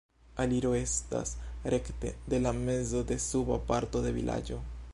Aliro estas rekte de la mezo de suba parto de vilaĝo.